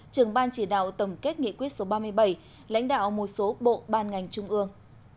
trưởng ban chỉ đạo tổng kết nghị quyết số ba mươi bảy lãnh đạo một số bộ ban ngành trung ương